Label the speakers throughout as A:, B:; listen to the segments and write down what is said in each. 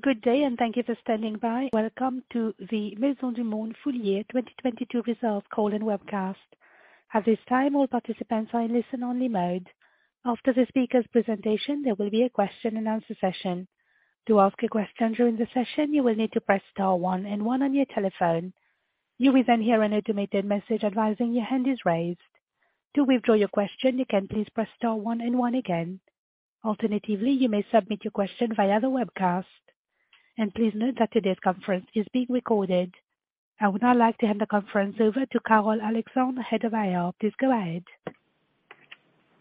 A: Good day and thank you for standing by. Welcome to the Maisons du Monde Full Year 2022 Results call and webcast. At this time, all participants are in listen only mode. After the speaker's presentation, there will be a question and answer session. To ask a question during the session, you will need to press star one and one on your telephone. You will then hear an automated message advising your hand is raised. To withdraw your question, you can please press star one and one again. Alternatively, you may submit your question via the webcast. Please note that today's conference is being recorded. I would now like to hand the conference over to Carole Alexandre, Head of IR. Please go ahead.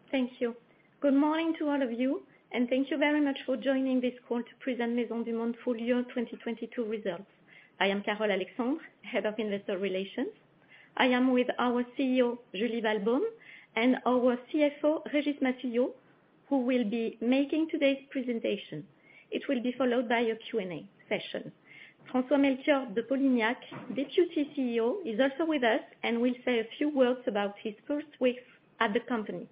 B: Thank you. Good morning to all of you, and thank you very much for joining this call to present Maisons du Monde full year 2022 results. I am Carole Alexandre, Head of Investor Relations. I am with our CEO, Julie Walbaum, and our CFO, Régis Massuyeau, who will be making today's presentation. It will be followed by a Q&A session. François-Melchior de Polignac, Deputy CEO, is also with us and will say a few words about his first week at the company.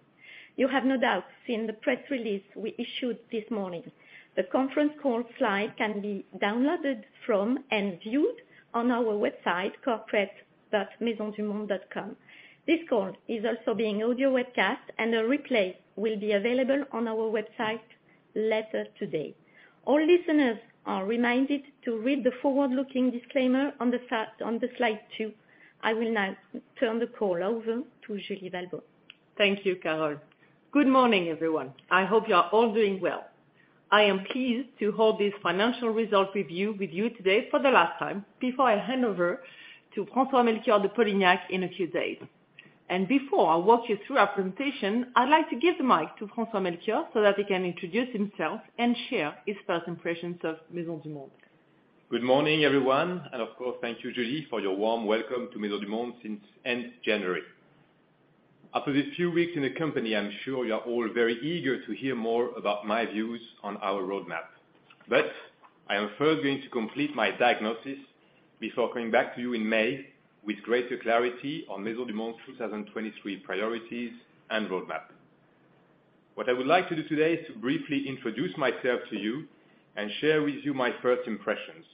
B: You have no doubt seen the press release we issued this morning. The conference call slide can be downloaded from and viewed on our website, corporate.maisonsdumonde.com. This call is also being audio webcast, and a replay will be available on our website later today. All listeners are reminded to read the forward-looking disclaimer on slide 2. I will now turn the call over to Julie Walbaum.
C: Thank you, Carole. Good morning, everyone. I hope you're all doing well. I am pleased to hold this financial result review with you today for the last time before I hand over to François-Melchior de Polignac in a few days. Before I walk you through our presentation, I'd like to give the mic to François-Melchior so that he can introduce himself and share his first impressions of Maisons du Monde.
D: Good morning, everyone, and of course, thank you, Julie, for your warm welcome to Maisons du Monde since end January. After this few weeks in the company, I'm sure you're all very eager to hear more about my views on our roadmap. I am first going to complete my diagnosis before coming back to you in May with greater clarity on Maisons du Monde 2023 priorities and roadmap. What I would like to do today is to briefly introduce myself to you and share with you my first impressions.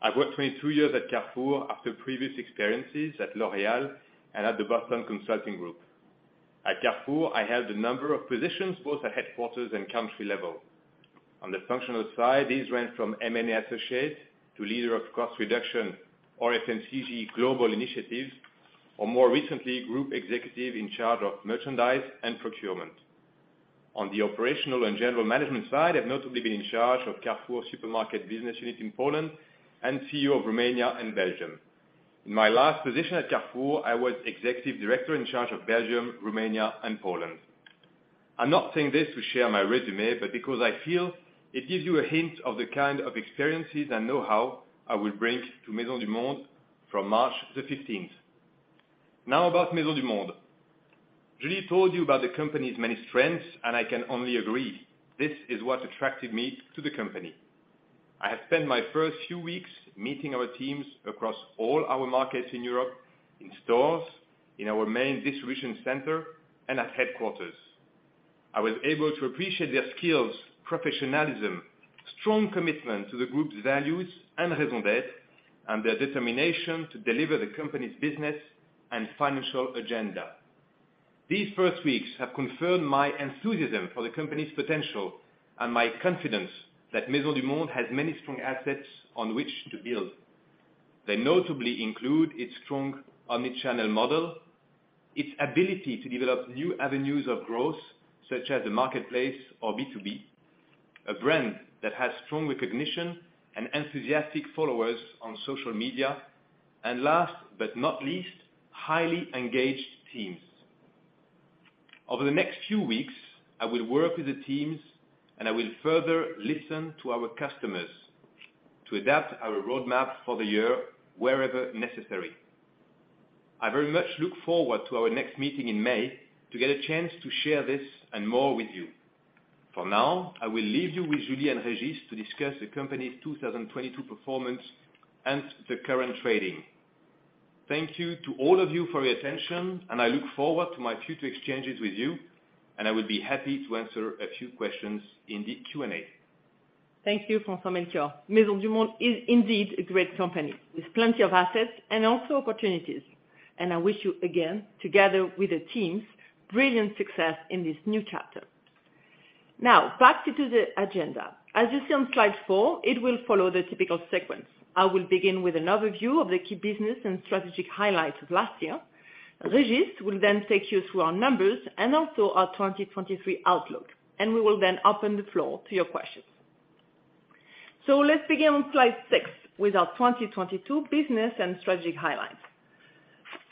D: I worked 22 years at Carrefour after previous experiences at L'Oréal and at the Boston Consulting Group. At Carrefour, I held a number of positions, both at headquarters and country level. On the functional side, these range from M&A associate to leader of cost reduction or FMCG global initiatives, or more recently, group executive in charge of merchandise and procurement. On the operational and general management side, I've notably been in charge of Carrefour supermarket business unit in Poland and CEO of Romania and Belgium. In my last position at Carrefour, I was executive director in charge of Belgium, Romania, and Poland. I'm not saying this to share my resume, but because I feel it gives you a hint of the kind of experiences and know-how I will bring to Maisons du Monde from March the fifteenth. About Maisons du Monde. Julie told you about the company's many strengths. I can only agree. This is what attracted me to the company. I have spent my first few weeks meeting our teams across all our markets in Europe, in stores, in our main distribution center and at headquarters. I was able to appreciate their skills, professionalism, strong commitment to the group's values and raison d'être, and their determination to deliver the company's business and financial agenda. These first weeks have confirmed my enthusiasm for the company's potential and my confidence that Maisons du Monde has many strong assets on which to build. They notably include its strong omni-channel model, its ability to develop new avenues of growth, such as the marketplace or B2B, a brand that has strong recognition and enthusiastic followers on social media, and last but not least, highly engaged teams. Over the next few weeks, I will work with the teams, and I will further listen to our customers to adapt our roadmap for the year wherever necessary. I very much look forward to our next meeting in May to get a chance to share this and more with you. For now, I will leave you with Julie and Régis to discuss the company's 2022 performance and the current trading. Thank you to all of you for your attention, and I look forward to my future exchanges with you, and I would be happy to answer a few questions in the Q&A.
C: Thank you, François-Melchior. Maisons du Monde is indeed a great company with plenty of assets and also opportunities. I wish you again, together with the teams, brilliant success in this new chapter. Back to the agenda. As you see on slide four, it will follow the typical sequence. I will begin with an overview of the key business and strategic highlights of last year. Régis will then take you through our numbers and also our 2023 outlook. We will then open the floor to your questions. Let's begin on slide six with our 2022 business and strategic highlights.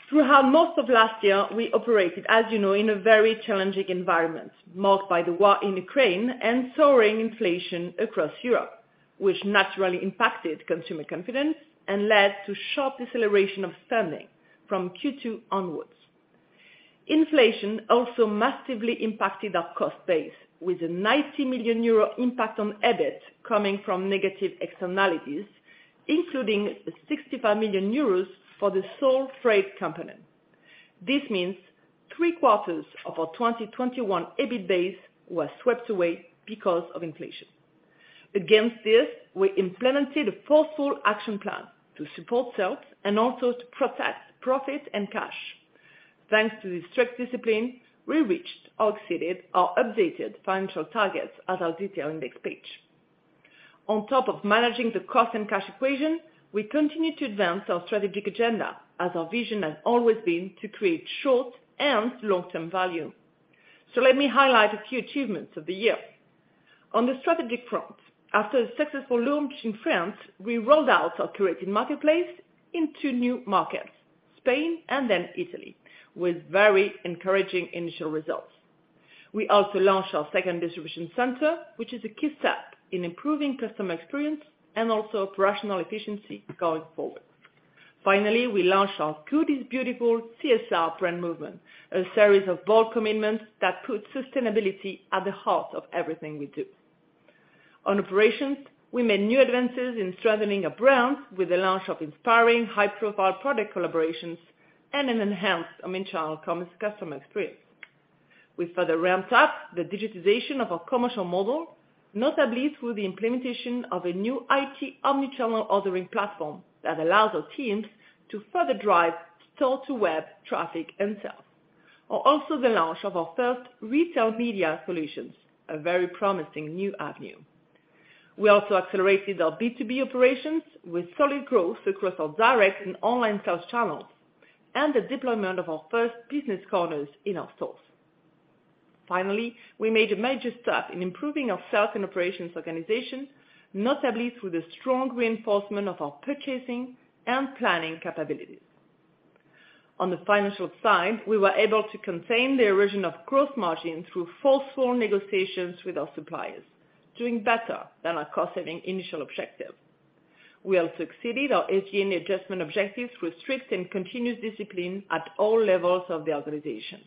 C: Throughout most of last year, we operated, as you know, in a very challenging environment marked by the war in Ukraine and soaring inflation across Europe, which naturally impacted consumer confidence and led to sharp deceleration of spending from Q2 onwards. Inflation also massively impacted our cost base with a 90 million euro impact on EBIT coming from negative externalities, including 65 million euros for the sole freight component. This means three quarters of our 2021 EBIT base were swept away because of inflation. Against this, we implemented a forceful action plan to support sales and also to protect profit and cash. Thanks to this strict discipline, we reached or exceeded our updated financial targets as our detailed index page. On top of managing the cost and cash equation, we continue to advance our strategic agenda as our vision has always been to create short and long-term value. Let me highlight a few achievements of the year. On the strategic front, after a successful launch in France, we rolled out our curated marketplace into new markets, Spain and then Italy, with very encouraging initial results. We also launched our second distribution center, which is a key step in improving customer experience and also operational efficiency going forward. Finally, we launched our Good is beautiful CSR brand movement, a series of bold commitments that put sustainability at the heart of everything we do. On operations, we made new advances in strengthening our brands with the launch of inspiring high-profile product collaborations and an enhanced omnichannel commerce customer experience. We further ramped up the digitization of our commercial model, notably through the implementation of a new IT omnichannel ordering platform that allows our teams to further drive store-to-web traffic and sales. Also the launch of our first retail media solutions, a very promising new avenue. We also accelerated our B2B operations with solid growth across our direct and online sales channels and the deployment of our first business corners in our stores. Finally, we made a major step in improving our sales and operations organization, notably through the strong reinforcement of our purchasing and planning capabilities. On the financial side, we were able to contain the erosion of gross margin through forceful negotiations with our suppliers, doing better than our cost-saving initial objective. We have succeeded our SG&A adjustment objectives through strict and continuous discipline at all levels of the organization.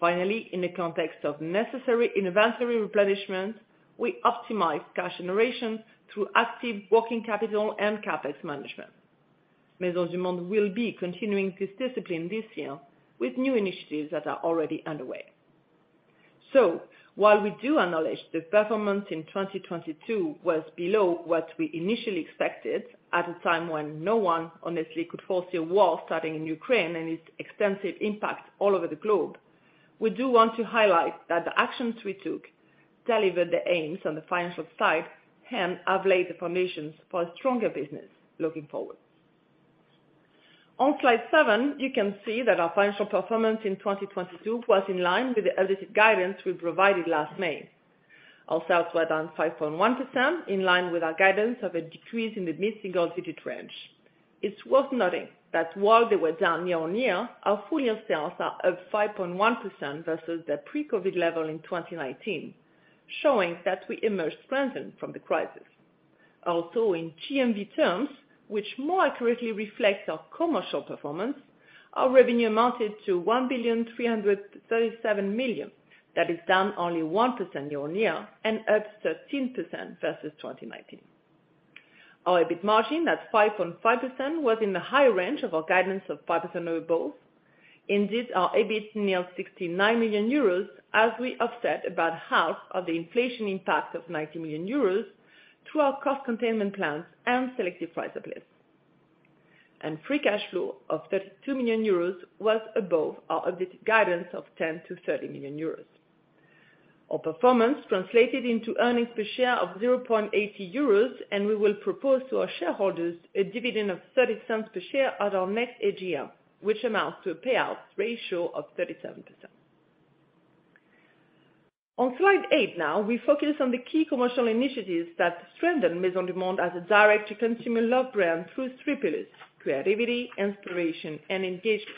C: Finally, in the context of necessary inventory replenishment, we optimized cash generation through active working capital and CapEx management. Maisons du Monde will be continuing this discipline this year with new initiatives that are already underway. While we do acknowledge the performance in 2022 was below what we initially expected at a time when no one honestly could foresee a war starting in Ukraine and its extensive impact all over the globe, we do want to highlight that the actions we took delivered the aims on the financial side and have laid the foundations for a stronger business looking forward. On slide seven, you can see that our financial performance in 2022 was in line with the edited guidance we provided last May. Our sales were down 5.1% in line with our guidance of a decrease in the mid-single digit range. It's worth noting that while they were down year-over-year, our full-year sales are up 5.1% versus the pre-COVID level in 2019, showing that we emerged strengthened from the crisis. Also, in GMV terms, which more accurately reflects our commercial performance, our revenue amounted to 1.337 billion. That is down only 1% year-on-year and up 13% versus 2019. Our EBIT margin at 5.5% was in the high range of our guidance of 5% or above. Indeed, our EBIT near 69 million euros as we offset about half of the inflation impact of 90 million euros through our cost containment plans and selective price uplift. Free cash flow of 32 million euros was above our updated guidance of 10 million-30 million euros. Our performance translated into earnings per share of 0.80 euros, and we will propose to our shareholders a dividend of 0.30 per share at our next AGM, which amounts to a payout ratio of 37%. On slide eight now, we focus on the key commercial initiatives that strengthen Maisons du Monde as a direct-to-consumer love brand through three pillars: creativity, inspiration, and engagement.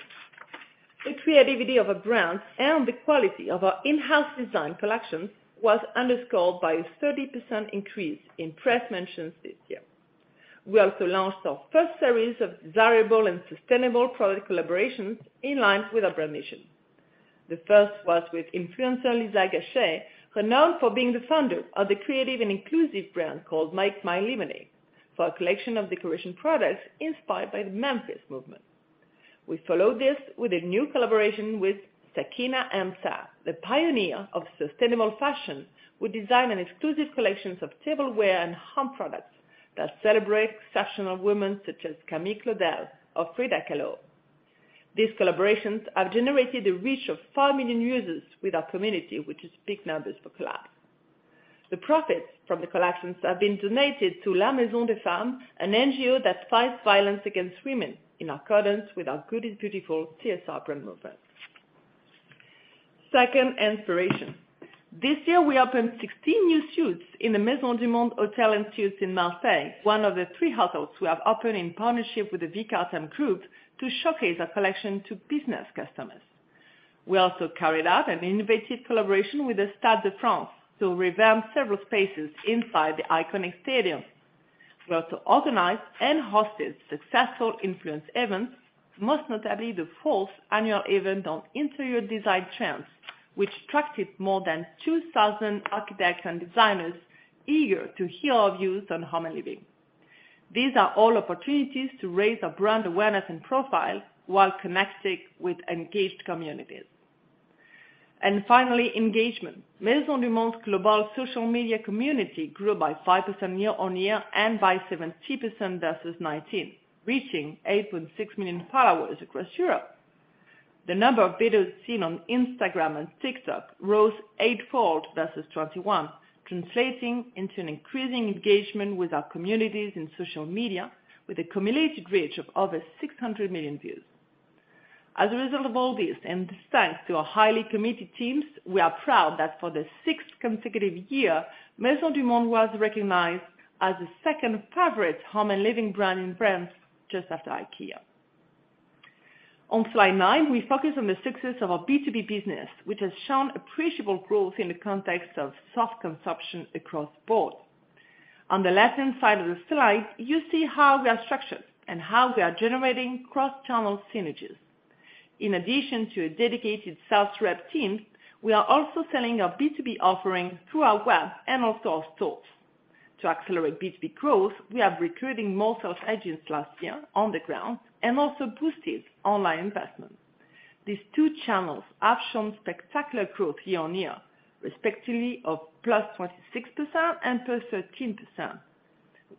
C: The creativity of a brand and the quality of our in-house design collections was underscored by a 30% increase in press mentions this year. We also launched our first series of desirable and sustainable product collaborations in line with our brand mission. The first was with influencer Lisa Gachet, renowned for being the founder of the creative and inclusive brand called Make My Lemonade for a collection of decoration products inspired by the Memphis movement. We followed this with a new collaboration with Sakina M'Sa, the pioneer of sustainable fashion. We designed an exclusive collection of tableware and home products that celebrate exceptional women such as Camille Claudel or Frida Kahlo. These collaborations have generated a reach of 5 million users with our community, which is big numbers for collab. The profits from the collections have been donated to La Maison des Femmes, an NGO that fights violence against women in accordance with our Good is beautiful CSR brand movement. Second, inspiration. This year, we opened 16 new suites in the Maisons du Monde Hôtel & Suites in Marseille, one of the three hotels we have opened in partnership with the Vicartem Group to showcase our collection to business customers. We also carried out an innovative collaboration with the Stade de France to revamp several spaces inside the iconic stadium. We also organized and hosted successful influence events, most notably the fourth annual event on interior design trends, which attracted more than 2,000 architects and designers eager to hear our views on home and living. These are all opportunities to raise our brand awareness and profile while connecting with engaged communities. Finally, engagement. Maisons du Monde global social media community grew by 5% year on year and by 17% versus 2019, reaching 8.6 million followers across Europe. The number of videos seen on Instagram and TikTok rose eightfold versus 2021, translating into an increasing engagement with our communities in social media with a cumulative reach of over 600 million views. As a result of all this, thanks to our highly committed teams, we are proud that for the 6th consecutive year, Maisons du Monde was recognized as the second favorite home and living brand in France just after IKEA. On slide nine, we focus on the success of our B2B business, which has shown appreciable growth in the context of soft consumption across board. On the left-hand side of the slide, you see how we are structured and how we are generating cross-channel synergies. In addition to a dedicated sales rep team, we are also selling our B2B offering through our web and also our stores. To accelerate B2B growth, we are recruiting more sales agents last year on the ground and also boosted online investment. These two channels have shown spectacular growth year on year, respectively of +26% and +13%.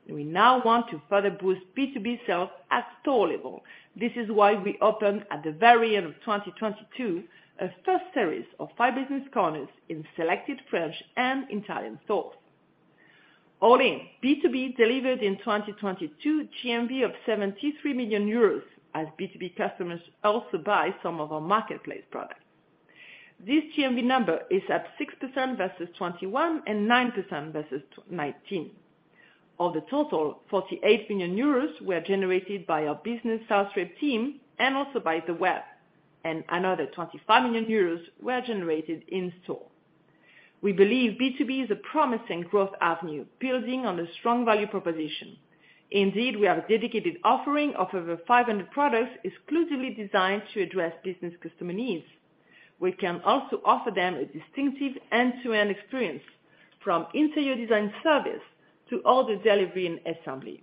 C: We now want to further boost B2B sales at store level. This is why we opened at the very end of 2022, a first series of five business corners in selected French and Italian stores. All in, B2B delivered in 2022 GMV of 73 million euros as B2B customers also buy some of our marketplace products. This GMV number is up 6% versus 2021 and 9% versus 2019. Of the total, 48 million euros were generated by our business sales rep team and also by the web, and another 25 million euros were generated in store. We believe B2B is a promising growth avenue, building on a strong value proposition. Indeed, we have a dedicated offering of over 500 products exclusively designed to address business customer needs. We can also offer them a distinctive end-to-end experience, from interior design service to order, delivery and assembly.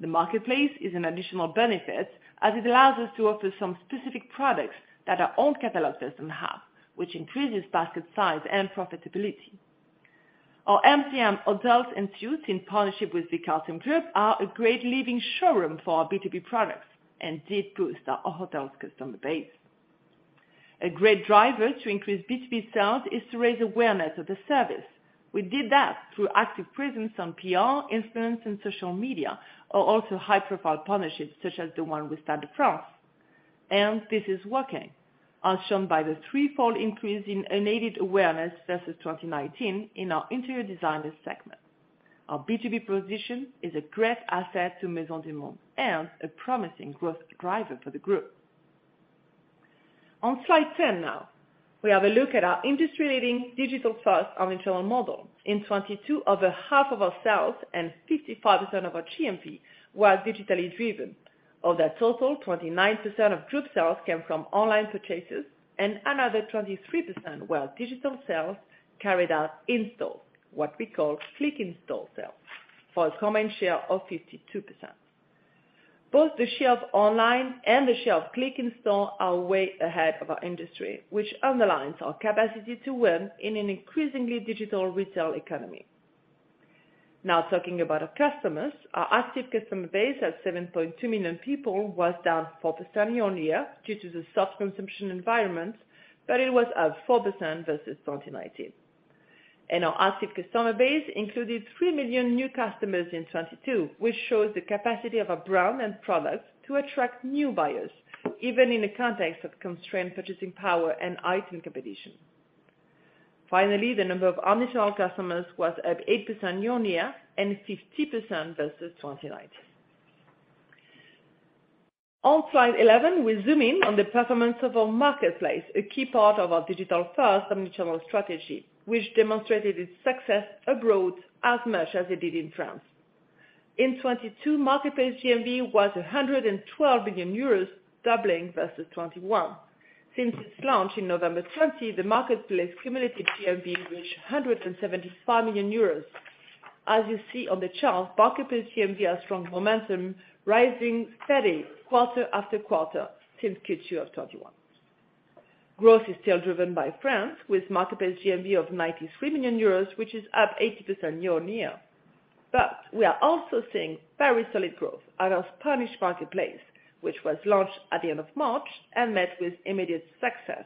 C: The marketplace is an additional benefit as it allows us to offer some specific products that our own catalog doesn't have, which increases basket size and profitability. Our MDM hotels and suites in partnership with Vicartem Group are a great living showroom for our B2B products and did boost our hotels customer base. A great driver to increase B2B sales is to raise awareness of the service. We did that through active presence on PR, influence and social media, or also high-profile partnerships such as the one with Stade de France. This is working, as shown by the threefold increase in unaided awareness versus 2019 in our interior designer segment. Our B2B position is a great asset to Maisons du Monde and a promising growth driver for the group. On slide 10 now, we have a look at our industry-leading digital first omnichannel model. In 2022, over half of our sales and 55% of our GMV were digitally driven. Of that total, 29% of group sales came from online purchases, and another 23% were digital sales carried out in-store, what we call click-in-store sales, for a combined share of 52%. Both the share of online and the share of click-in-store are way ahead of our industry, which underlines our capacity to win in an increasingly digital retail economy. Now talking about our customers, our active customer base at 7.2 million people was down 4% year-on-year due to the soft consumption environment, but it was up 4% versus 2019. Our active customer base included 3 million new customers in 2022, which shows the capacity of our brand and products to attract new buyers, even in a context of constrained purchasing power and heightened competition. Finally, the number of omnichannel customers was up 8% year-on-year and 50% versus 2019. On slide 11, we zoom in on the performance of our marketplace, a key part of our digital first omnichannel strategy, which demonstrated its success abroad as much as it did in France. In 2022, marketplace GMV was 112 million euros, doubling versus 2021. Since its launch in November 2020, the marketplace cumulative GMV reached 175 million euros. As you see on the chart, marketplace GMV has strong momentum, rising steady quarter after quarter since Q2 of 2021. Growth is still driven by France with marketplace GMV of 93 million euros, which is up 80% year on year. We are also seeing very solid growth out of Spanish marketplace, which was launched at the end of March and met with immediate success.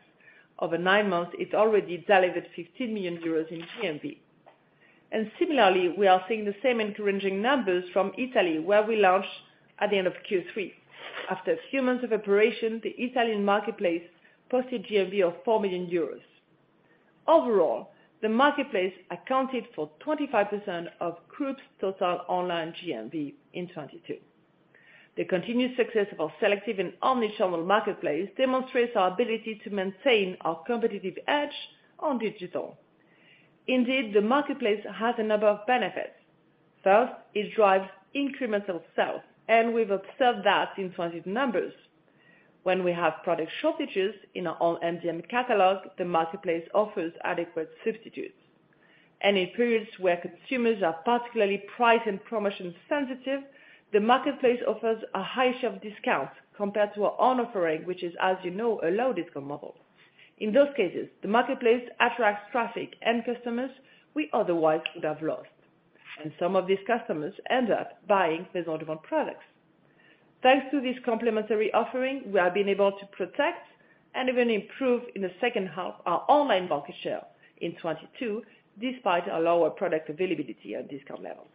C: Over 9 months, it's already delivered 50 million euros in GMV. Similarly, we are seeing the same encouraging numbers from Italy, where we launched at the end of Q3. After a few months of operation, the Italian marketplace posted GMV of 4 million euros. Overall, the marketplace accounted for 25% of group's total online GMV in 2022. The continued success of our selective and omnichannel marketplace demonstrates our ability to maintain our competitive edge on digital. Indeed, the marketplace has a number of benefits. First, it drives incremental sales, and we've observed that in 20 numbers. When we have product shortages in our own MDM catalog, the marketplace offers adequate substitutes. In periods where consumers are particularly price and promotion sensitive, the marketplace offers a high shelf discount compared to our own offering, which is, as you know, a low discount model. In those cases, the marketplace attracts traffic and customers we otherwise would have lost, and some of these customers end up buying these ordered products. Thanks to this complementary offering, we have been able to protect and even improve in the second half our online market share in 2022, despite our lower product availability at discount levels.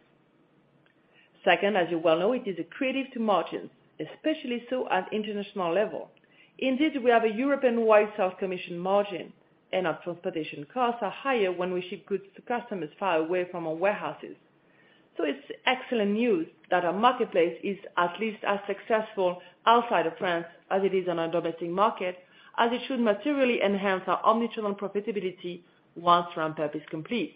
C: Second, as you well know, it is accretive to margins, especially so at international level. Indeed, we have a European-wide sales commission margin, and our transportation costs are higher when we ship goods to customers far away from our warehouses. It's excellent news that our marketplace is at least as successful outside of France as it is on our domestic market, as it should materially enhance our omni-channel profitability once ramp-up is complete.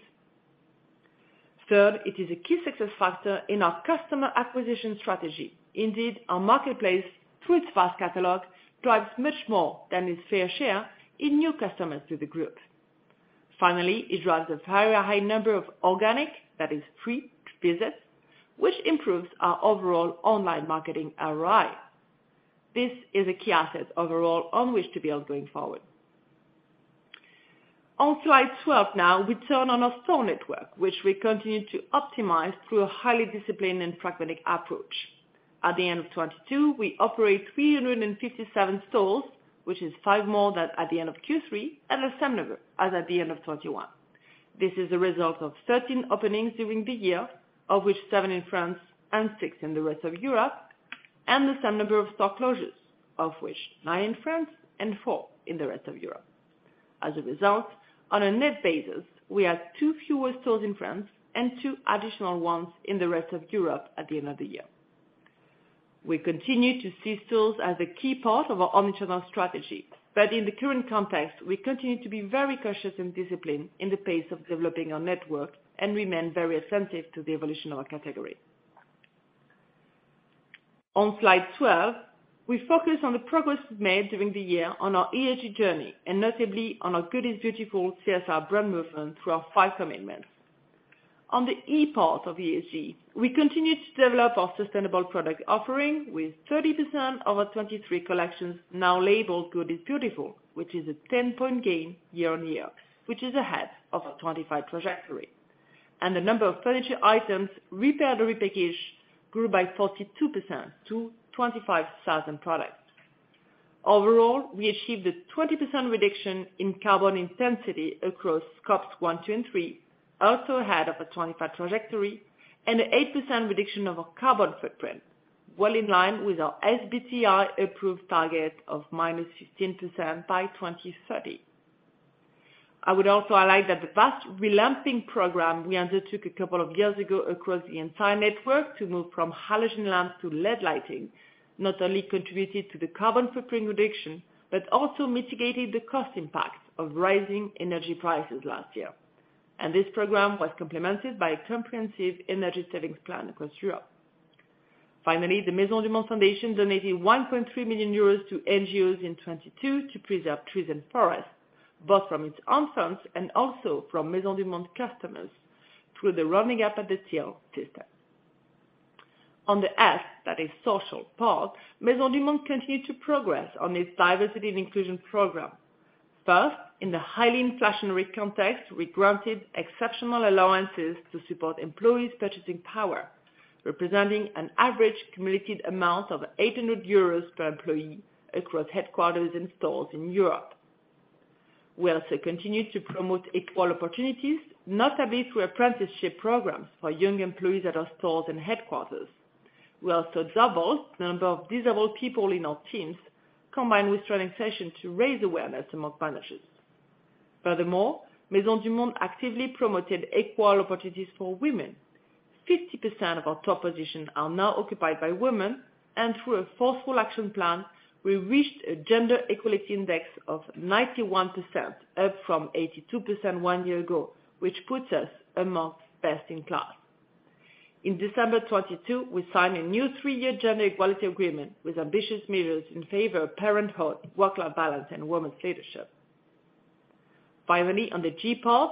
C: Third, it is a key success factor in our customer acquisition strategy. Indeed, our marketplace, through its vast catalog, drives much more than its fair share in new customers to the group. Finally, it drives a very high number of organic, that is free, visits, which improves our overall online marketing ROI. This is a key asset overall on which to build going forward. On slide 12 now, we turn on our store network, which we continue to optimize through a highly disciplined and pragmatic approach. At the end of 2022, we operate 357 stores, which is five more than at the end of Q3 and the same number as at the end of 2021. This is a result of 13 openings during the year, of which seven in France and six in the rest of Europe, and the same number of store closures, of which nine in France and four in the rest of Europe. As a result, on a net basis, we had two fewer stores in France and two additional ones in the rest of Europe at the end of the year. We continue to see stores as a key part of our omni-channel strategy, but in the current context, we continue to be very cautious and disciplined in the pace of developing our network and remain very attentive to the evolution of our category. On slide 12, we focus on the progress we've made during the year on our ESG journey, and notably on our Good is beautiful CSR brand movement through our five commitments. On the E part of ESG, we continue to develop our sustainable product offering with 30% of our 23 collections now labeled Good is beautiful, which is a 10-point gain year-on-year, which is ahead of our 2025 trajectory. The number of furniture items repaired or repackaged grew by 42% to 25,000 products. Overall, we achieved a 20% reduction in carbon intensity across scopes one, two, and three, also ahead of the 2025 trajectory, and an 8% reduction of our carbon footprint, well in line with our SBTi-approved target of -15% by 2030. I would also highlight that the vast relamping program we undertook a couple of years ago across the entire network to move from halogen lamps to LED lighting not only contributed to the carbon footprint reduction, but also mitigated the cost impact of rising energy prices last year. This program was complemented by a comprehensive energy savings plan across Europe. Finally, the Maisons du Monde Foundation donated 1.3 million euros to NGOs in 2022 to preserve trees and forests, both from its own funds and also from Maisons du Monde customers through the rounding up at the till system. On the S, that is social, part, Maisons du Monde continued to progress on its diversity and inclusion program. First, in the highly inflationary context, we granted exceptional allowances to support employees' purchasing power, representing an average cumulative amount of 800 euros per employee across headquarters and stores in Europe. We also continued to promote equal opportunities, notably through apprenticeship programs for young employees at our stores and headquarters. We also doubled the number of disabled people in our teams, combined with training sessions to raise awareness among managers. Furthermore, Maisons du Monde actively promoted equal opportunities for women. 50% of our top positions are now occupied by women, and through a forceful action plan, we reached a gender equality index of 91%, up from 82% one year ago, which puts us amongst best in class. In December 2022, we signed a new three-year gender equality agreement with ambitious measures in favor of parenthood, workload balance, and women's leadership. On the G part,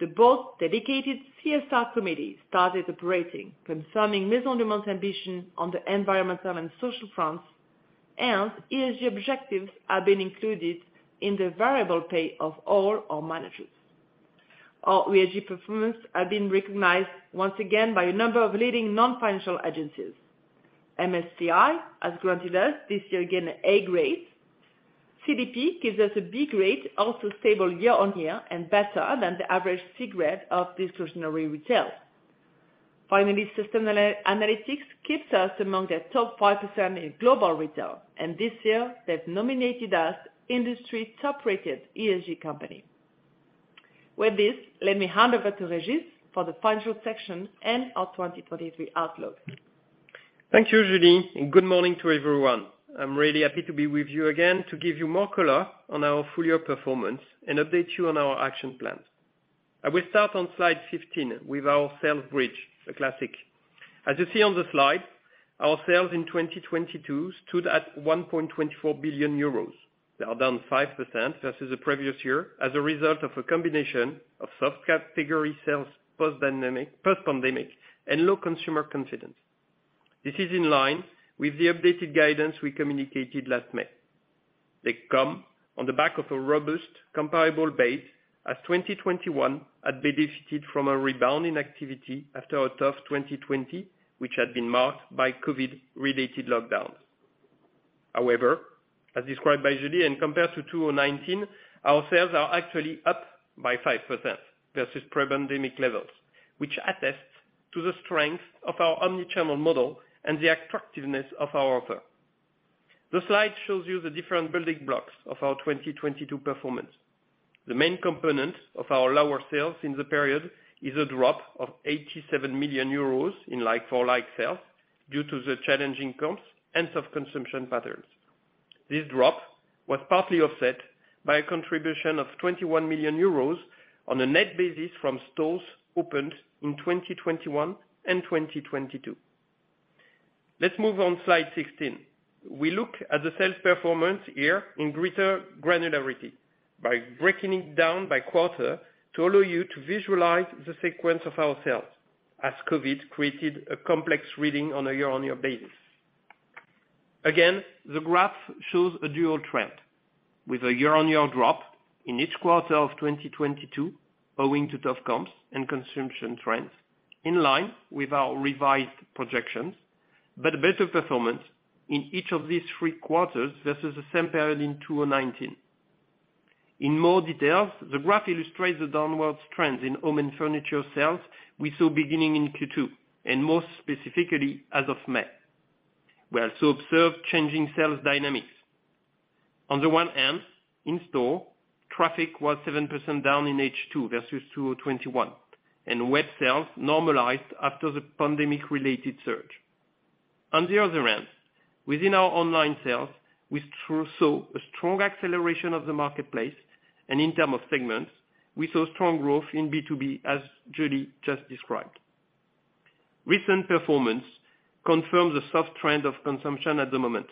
C: the board's dedicated CSR committee started operating, confirming Maisons du Monde's ambition on the environmental and social fronts. ESG objectives have been included in the variable pay of all our managers. Our ESG performance has been recognized once again by a number of leading non-financial agencies. MSCI has granted us this year again an A grade. CDP gives us a B grade, also stable year-over-year and better than the average C grade of discretionary retail. Sustainalytics keeps us among their top 5% in global retail. This year they've nominated us industry top-rated ESG company. With this, let me hand over to Régis for the financial section and our 2023 outlook.
E: Thank you, Julie. Good morning to everyone. I'm really happy to be with you again to give you more color on our full-year performance and update you on our action plans. I will start on slide 15 with our sales bridge, a classic. As you see on the slide, our sales in 2022 stood at 1.24 billion euros. They are down 5% versus the previous year as a result of a combination of soft category sales post pandemic and low consumer confidence. This is in line with the updated guidance we communicated last May. They come on the back of a robust comparable base as 2021 had benefited from a rebound in activity after a tough 2020, which had been marked by COVID-related lockdowns. As described by Julie, and compared to 2019, our sales are actually up by 5% versus pre-pandemic levels, which attests to the strength of our omni-channel model and the attractiveness of our offer. The slide shows you the different building blocks of our 2022 performance. The main component of our lower sales in the period is a drop of 87 million euros in like-for-like sales due to the challenging comps and soft consumption patterns. This drop was partly offset by a contribution of 21 million euros on a net basis from stores opened in 2021 and 2022. Let's move on slide 16. We look at the sales performance here in greater granularity by breaking it down by quarter to allow you to visualize the sequence of our sales, as COVID created a complex reading on a year-on-year basis. The graph shows a dual trend, with a year-on-year drop in each quarter of 2022, owing to tough comps and consumption trends in line with our revised projections, but better performance in each of these three quarters versus the same period in 2019. In more details, the graph illustrates the downward trends in home and furniture sales we saw beginning in Q2, and more specifically as of May. We also observed changing sales dynamics. In store, traffic was 7% down in H2 versus 2021, and web sales normalized after the pandemic related surge. Within our online sales, we saw a strong acceleration of the marketplace, and in term of segments, we saw strong growth in B2B, as Julie just described. Recent performance confirms a soft trend of consumption at the moment,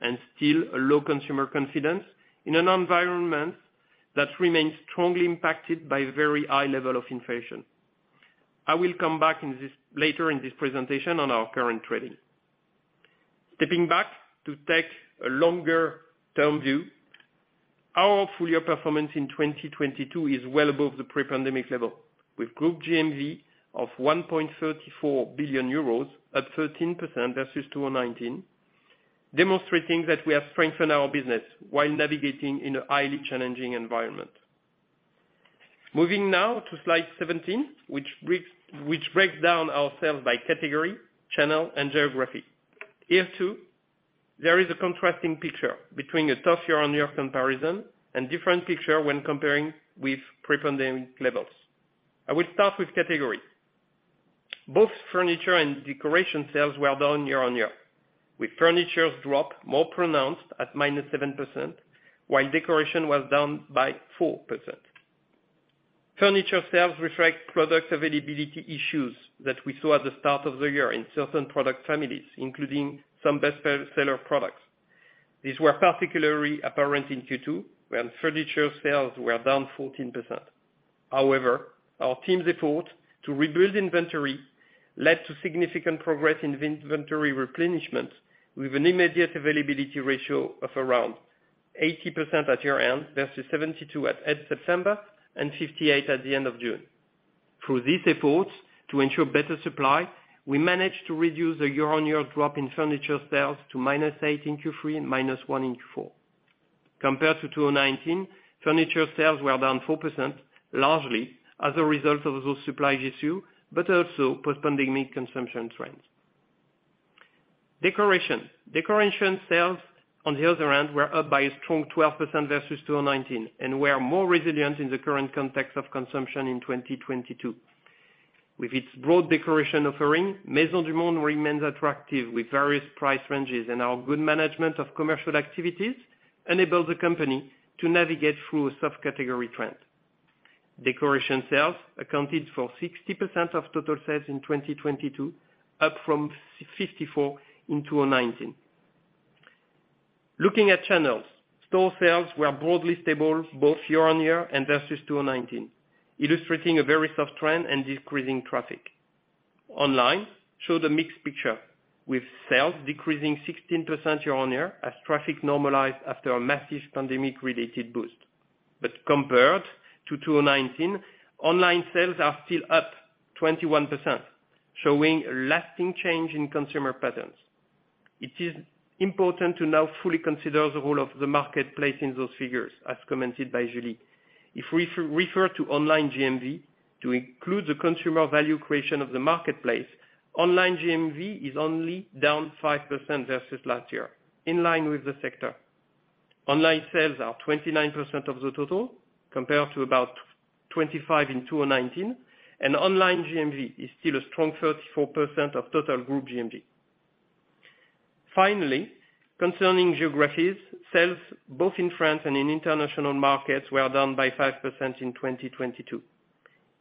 E: and still a low consumer confidence in an environment that remains strongly impacted by very high level of inflation. I will come back later in this presentation on our current trading. Stepping back to take a longer term view, our full year performance in 2022 is well above the pre-pandemic level, with group GMV of 1.34 billion euros at 13% versus 2019, demonstrating that we have strengthened our business while navigating in a highly challenging environment. Moving now to slide 17, which breaks down our sales by category, channel and geography. Here too, there is a contrasting picture between a tough year-on-year comparison and different picture when comparing with pre-pandemic levels. I will start with category. Both furniture and decoration sales were down year-on-year, with furniture's drop more pronounced at -7%, while decoration was down by 4%. Furniture sales reflect product availability issues that we saw at the start of the year in certain product families, including some best-seller products. These were particularly apparent in Q2, when furniture sales were down 14%. However, our team's effort to rebuild inventory led to significant progress in inventory replenishment with an immediate availability ratio of around 80% at year-end, versus 72 at end-September and 58 at the end of June. Through these efforts to ensure better supply, we managed to reduce the year-on-year drop in furniture sales to -8% in Q3 and -1% in Q4. Compared to 2019, furniture sales were down 4%, largely as a result of those supply issues, but also post-pandemic consumption trends. Decoration. Decoration sales, on the other hand, were up by a strong 12% versus 2019 and were more resilient in the current context of consumption in 2022. With its broad decoration offering, Maisons du Monde remains attractive with various price ranges and our good management of commercial activities enabled the company to navigate through a soft category trend. Decoration sales accounted for 60% of total sales in 2022, up from 54 in 2019. Looking at channels, store sales were broadly stable both year-on-year and versus 2019, illustrating a very soft trend and decreasing traffic. Online showed a mixed picture, with sales decreasing 16% year-on-year as traffic normalized after a massive pandemic-related boost. Compared to 2019, online sales are still up 21%, showing a lasting change in consumer patterns. It is important to now fully consider the role of the marketplace in those figures, as commented by Julie. If we refer to online GMV to include the consumer value creation of the marketplace, online GMV is only down 5% versus last year, in line with the sector. Online sales are 29% of the total, compared to about 25 in 2019, and online GMV is still a strong 34% of total group GMV. Finally, concerning geographies, sales both in France and in international markets were down by 5% in 2022.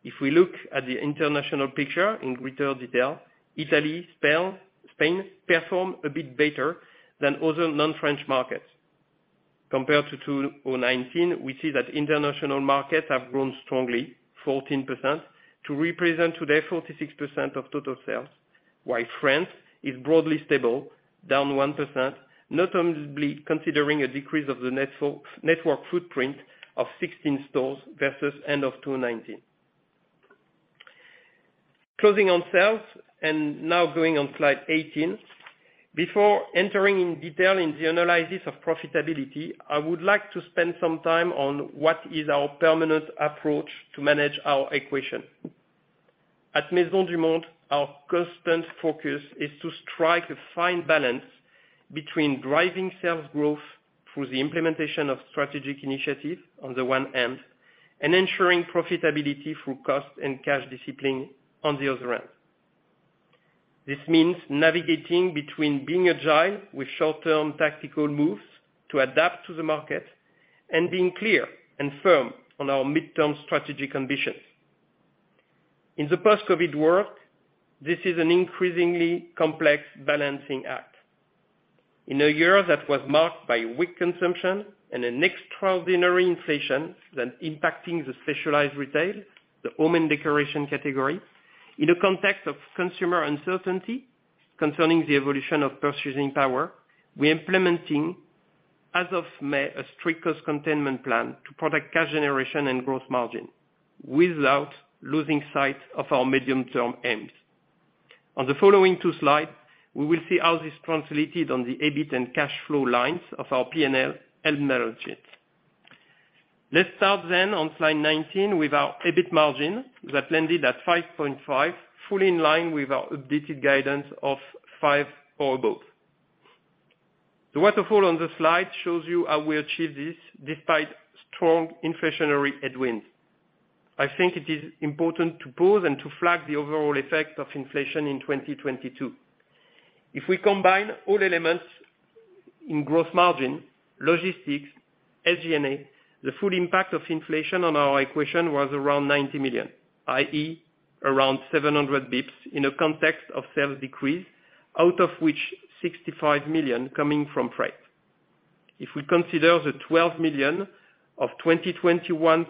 E: If we look at the international picture in greater detail, Italy, Spain performed a bit better than other non-French markets. Compared to 2019, we see that international markets have grown strongly 14% to represent today 46% of total sales. While France is broadly stable, down 1%, notably considering a decrease of the net network footprint of 16 stores versus end of 2019. Closing on sales and now going on slide 18. Before entering in detail in the analysis of profitability, I would like to spend some time on what is our permanent approach to manage our equation. At Maisons du Monde, our constant focus is to strike a fine balance between driving sales growth through the implementation of strategic initiatives on the one hand, and ensuring profitability through cost and cash discipline on the other hand. This means navigating between being agile with short-term tactical moves to adapt to the market and being clear and firm on our midterm strategic ambitions. In the post-COVID world, this is an increasingly complex balancing act. In a year that was marked by weak consumption and an extraordinary inflation that impacting the specialized retail, the home and decoration category, in a context of consumer uncertainty concerning the evolution of purchasing power, we're implementing, as of May, a strict cost containment plan to protect cash generation and growth margin without losing sight of our medium-term aims. On the following two slides, we will see how this translated on the EBIT and cash flow lines of our P&L and balance sheet. Let's start on slide 19 with our EBIT margin that landed at 5.5%, fully in line with our updated guidance of 5% or above. The waterfall on the slide shows you how we achieve this despite strong inflationary headwinds. I think it is important to pause and to flag the overall effect of inflation in 2022. If we combine all elements in gross margin, logistics, SG&A, the full impact of inflation on our equation was around 90 million, i.e., around 700 bips in a context of sales decrease, out of which 65 million coming from freight. If we consider the 12 million of 2021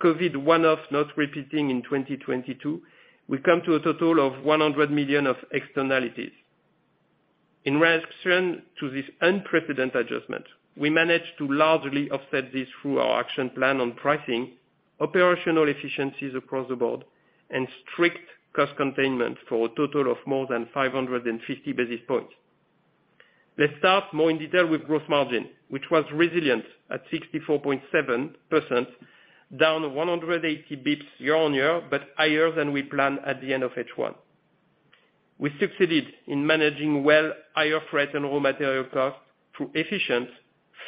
E: COVID one-off not repeating in 2022, we come to a total of 100 million of externalities. In reaction to this unprecedented adjustment, we managed to largely offset this through our action plan on pricing, operational efficiencies across the board, and strict cost containment for a total of more than 550 basis points. Let's start more in detail with gross margin, which was resilient at 64.7%, down 180 bips year-on-year, but higher than we planned at the end of H1. We succeeded in managing well higher freight and raw material costs through efficient,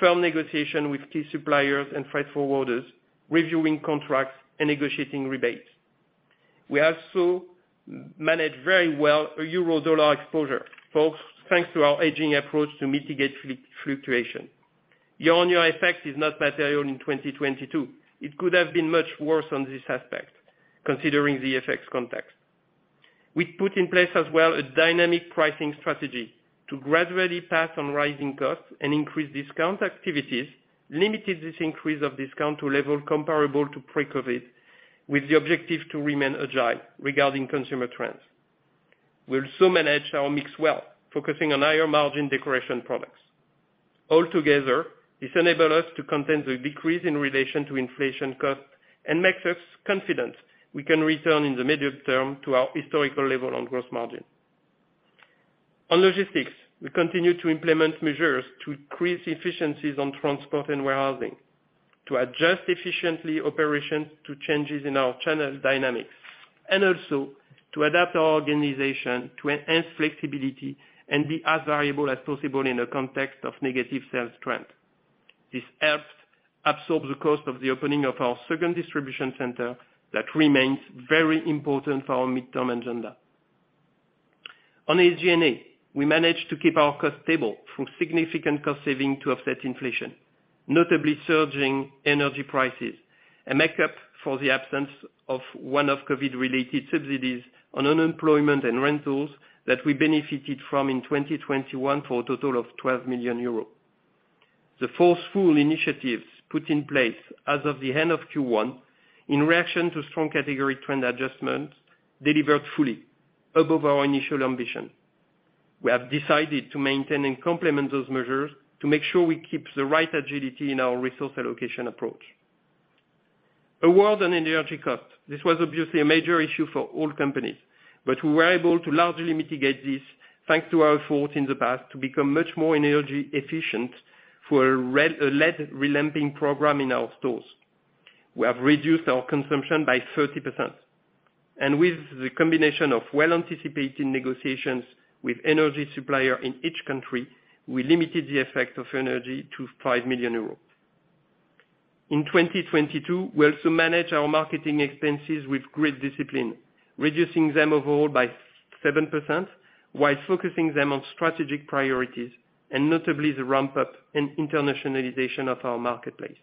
E: firm negotiation with key suppliers and freight forwarders, reviewing contracts and negotiating rebates. We also managed very well a Euro-dollar exposure, folks, thanks to our hedging approach to mitigate fluctuation. Year on year effect is not material in 2022. It could have been much worse on this aspect, considering the FX context. We put in place as well a dynamic pricing strategy to gradually pass on rising costs and increase discount activities, limited this increase of discount to level comparable to pre-COVID, with the objective to remain agile regarding consumer trends. We also managed our mix well, focusing on higher margin decoration products. All together, this enable us to contain the decrease in relation to inflation costs and makes us confident we can return in the medium term to our historical level on growth margin. On logistics, we continue to implement measures to increase efficiencies on transport and warehousing, to adjust efficiently operations to changes in our channel dynamics, and also to adapt our organization to enhance flexibility and be as variable as possible in a context of negative sales trend. This helps absorb the cost of the opening of our second distribution center that remains very important for our midterm agenda. On SG&A, we managed to keep our costs stable through significant cost saving to offset inflation, notably surging energy prices, a makeup for the absence of one of COVID-related subsidies on unemployment and rentals that we benefited from in 2021 for a total of 12 million euros. The fourth full initiatives put in place as of the end of Q1 in reaction to strong category trend adjustments delivered fully above our initial ambition. We have decided to maintain and complement those measures to make sure we keep the right agility in our resource allocation approach. A word on energy cost. This was obviously a major issue for all companies, but we were able to largely mitigate this thanks to our efforts in the past to become much more energy efficient for a LED relamping program in our stores. We have reduced our consumption by 30%. With the combination of well-anticipated negotiations with energy supplier in each country, we limited the effect of energy to 5 million euros. In 2022, we also managed our marketing expenses with great discipline, reducing them overall by 7% while focusing them on strategic priorities, notably the ramp up in internationalization of our marketplace.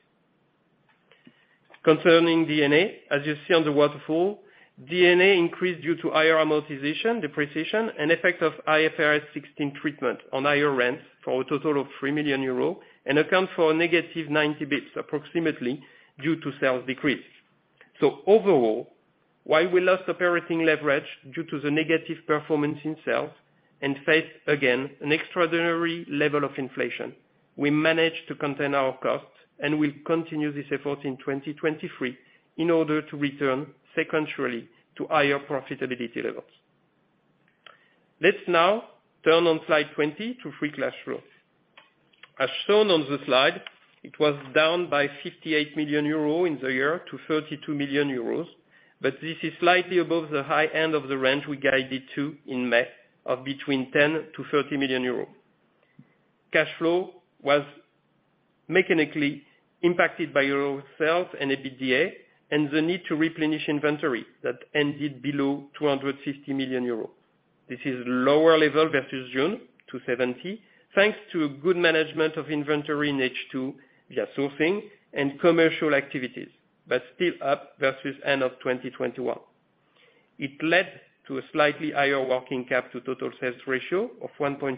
E: Concerning DNA, as you see on the waterfall, DNA increased due to higher amortization, depreciation, and effect of IFRS 16 treatment on higher rents for a total of 3 million euros and account for a negative 90 basis points approximately due to sales decrease. Overall, while we lost operating leverage due to the negative performance in sales and faced again an extraordinary level of inflation, we managed to contain our costs and will continue this effort in 2023 in order to return sequentially to higher profitability levels. Let's now turn on slide 20 to free cash flow. As shown on the slide, it was down by 58 million euros in the year to 32 million euros, but this is slightly above the high end of the range we guided to in May of between 10 million-30 million euros. Cash flow was mechanically impacted by lower sales and EBITDA and the need to replenish inventory that ended below 250 million euros. This is lower level versus June to 70, thanks to a good management of inventory in H2 via sourcing and commercial activities, but still up versus end of 2021. It led to a slightly higher working cap to total sales ratio of 1.3%,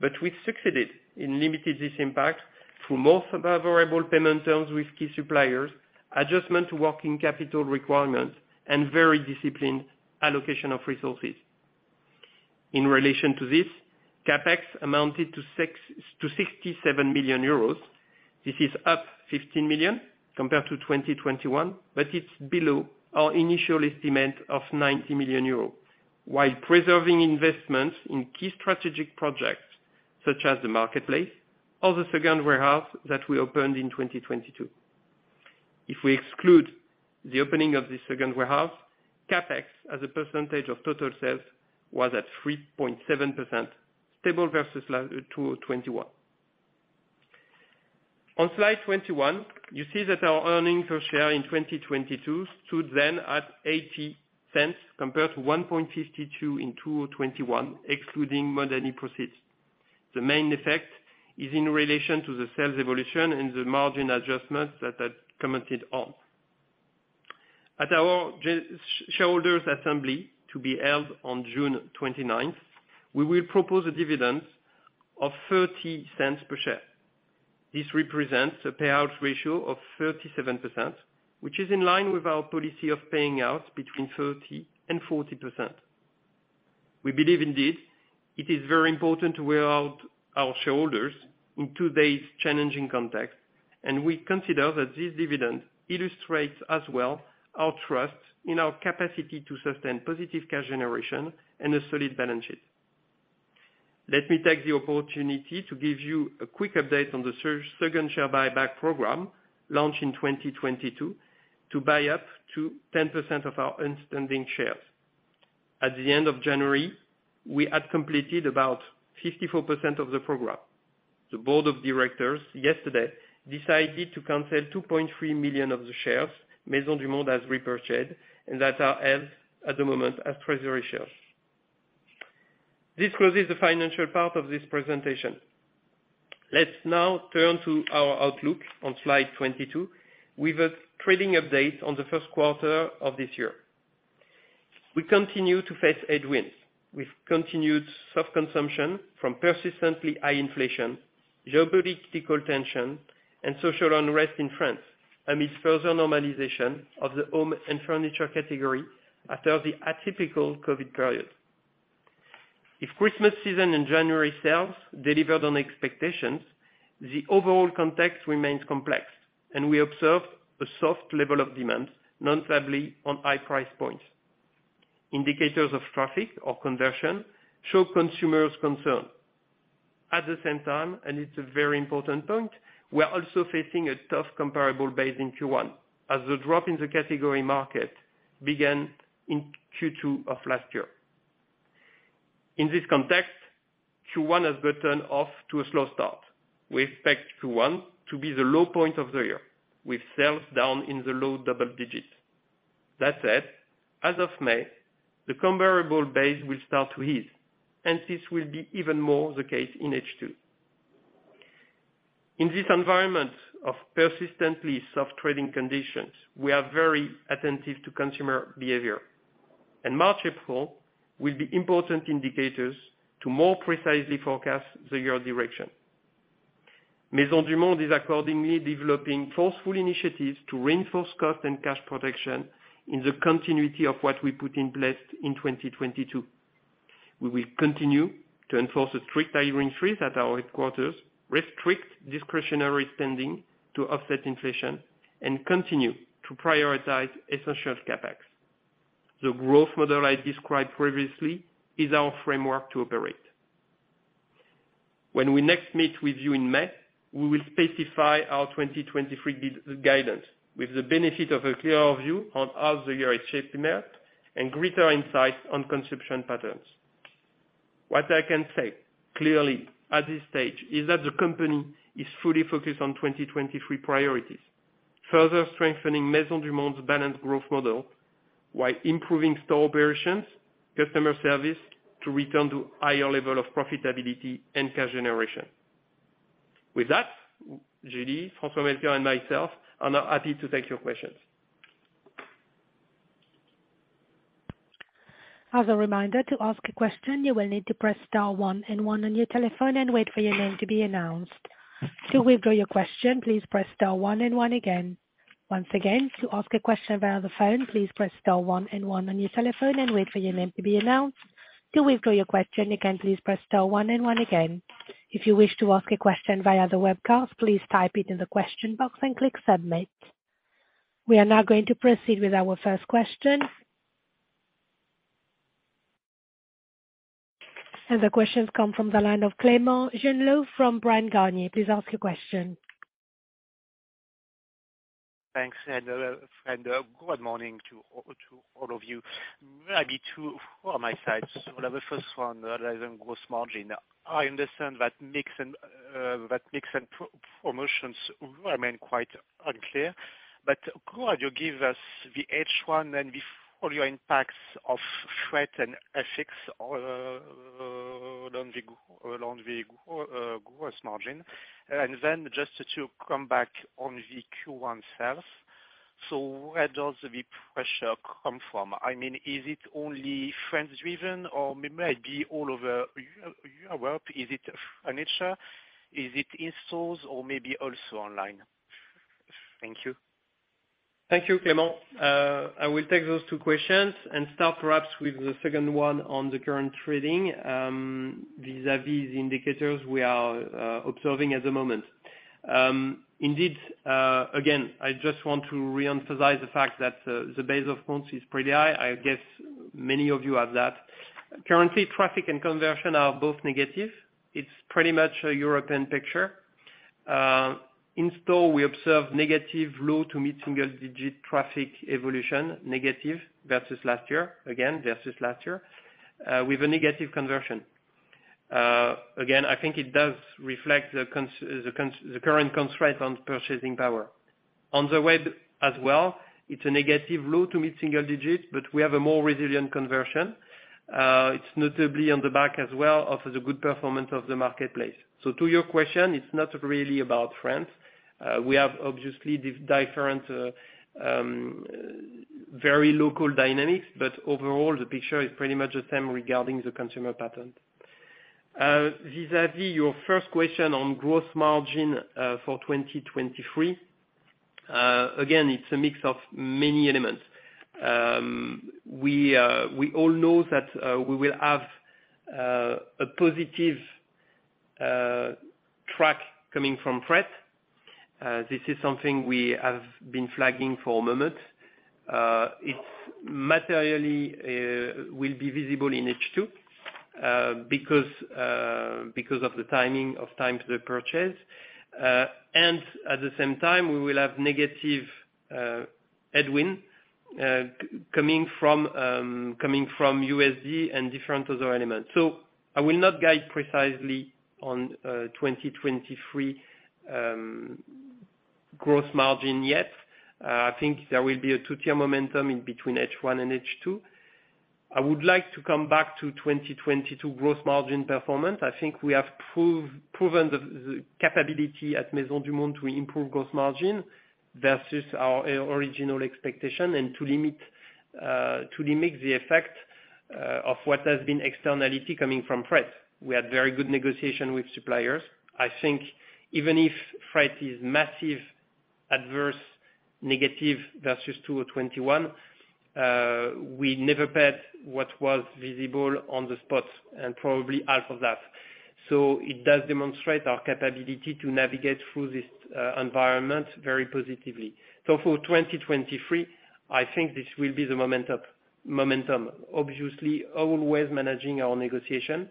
E: but we succeeded in limiting this impact through more favorable payment terms with key suppliers, adjustment to working capital requirements, and very disciplined allocation of resources. In relation to this, CapEx amounted to 67 million euros. This is up 15 million compared to 2021, but it's below our initial estimate of 90 million euros. While preserving investments in key strategic projects, such as the marketplace or the second warehouse that we opened in 2022. If we exclude the opening of the second warehouse, CapEx, as a percentage of total sales, was at 3.7%, stable versus 2021. On slide 21, you see that our earnings per share in 2022 stood then at 0.80 compared to 1.52 in 2021, excluding modernity proceeds. The main effect is in relation to the sales evolution and the margin adjustments that I've commented on. At our shareholders' assembly to be held on June 29th, we will propose a dividend of 0.30 per share. This represents a payout ratio of 37%, which is in line with our policy of paying out between 30% and 40%. We believe indeed it is very important to reward our shareholders in today's challenging context. We consider that this dividend illustrates as well our trust in our capacity to sustain positive cash generation and a solid balance sheet. Let me take the opportunity to give you a quick update on the second share buyback program launched in 2022 to buy up to 10% of our outstanding shares. At the end of January, we had completed about 54% of the program. The board of directors yesterday decided to cancel 2.3 million of the shares Maisons du Monde has repurchased and that are held at the moment as treasury shares. This closes the financial part of this presentation. Let's now turn to our outlook on slide 22 with a trading update on the first quarter of this year. We continue to face headwinds with continued soft consumption from persistently high inflation, geopolitical tension, and social unrest in France amidst further normalization of the home and furniture category after the atypical COVID period. If Christmas season and January sales delivered on expectations, the overall context remains complex, and we observed a soft level of demand, notably on high price points. Indicators of traffic or conversion show consumers' concern. At the same time, and it's a very important point, we are also facing a tough comparable base in Q1 as the drop in the category market began in Q2 of last year. In this context, Q1 has gotten off to a slow start. We expect Q1 to be the low point of the year, with sales down in the low double digits. That said, as of May, the comparable base will start to ease. This will be even more the case in H2. In this environment of persistently soft trading conditions, we are very attentive to consumer behavior. March, April will be important indicators to more precisely forecast the year direction. Maisons du Monde is accordingly developing forceful initiatives to reinforce cost and cash protection in the continuity of what we put in place in 2022. We will continue to enforce a strict hiring freeze at our headquarters, restrict discretionary spending to offset inflation, and continue to prioritize essential CapEx. The growth model I described previously is our framework to operate. When we next meet with you in May, we will specify our 2023 guidance with the benefit of a clearer view on how the year has shaped until and greater insights on consumption patterns. What I can say clearly at this stage is that the company is fully focused on 2023 priorities, further strengthening Maisons du Monde's balanced growth model while improving store operations, customer service to return to higher level of profitability and cash generation. With that, Julie, François-Melchior, and myself are now happy to take your questions.
A: As a reminder, to ask a question, you will need to press star one and one on your telephone and wait for your name to be announced. To withdraw your question, please press star one and one again. Once again, to ask a question via the phone, please press star one and one on your telephone and wait for your name to be announced. To withdraw your question, again, please press star one and one again. If you wish to ask a question via the webcast, please type it in the question box and click Submit. We are now going to proceed with our first question. The questions come from the line of Clément Genelot from Bryan Garnier. Please ask your question.
F: Thanks. Good morning to all of you. Maybe two on my side. The first one rising gross margin. I understand that mix and promotions remain quite unclear. Could you give us the H1 and before your impacts of freight and FX along the gross margin? Just to come back on the Q1 sales, where does the pressure come from? I mean, is it only France-driven, or may it be all over Europe? Is it furniture? Is it in stores or maybe also online? Thank you.
E: Thank you, Clément. I will take those two questions and start perhaps with the second one on the current trading, vis-à-vis the indicators we are observing at the moment. Indeed, again, I just want to reemphasize the fact that the base of France is pretty high. I guess many of you have that. Currently, traffic and conversion are both negative. It's pretty much a European picture. In-store, we observe negative low to mid-single-digit traffic evolution, negative versus last year, again, versus last year, with a negative conversion. Again, I think it does reflect the current constraint on purchasing power. On the web as well, it's a negative low to mid-single-digit, but we have a more resilient conversion. It's notably on the back as well of the good performance of the marketplace. To your question, it's not really about France. We have obviously different very local dynamics, but overall, the picture is pretty much the same regarding the consumer pattern. Vis-a-vis your first question on gross margin, for 2023, again, it's a mix of many elements. We all know that we will have a positive track coming from freight. This is something we have been flagging for a moment. It materially will be visible in H2, because of the timing of time to the purchase. At the same time, we will have negative headwind coming from USD and different other elements. I will not guide precisely on 2023 gross margin yet. I think there will be a two-tier momentum in between H1 and H2. I would like to come back to 2022 gross margin performance. We have proven the capability at Maisons du Monde to improve gross margin versus our original expectation and to limit the effect of what has been externality coming from freight. We had very good negotiation with suppliers. Even if freight is massive, adverse, negative versus 2021, we never paid what was visible on the spot and probably half of that. It does demonstrate our capability to navigate through this environment very positively. For 2023, this will be the momentum, obviously always managing our negotiation.